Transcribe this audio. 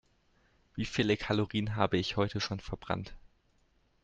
Wie viele Kalorien habe ich heute schon verbrannt?